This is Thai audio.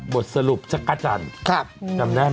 บทสรุปชะกะจันทร์จำได้ไหม